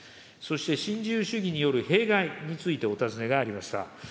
そして新自由主義の弊害についてお尋ねがありました。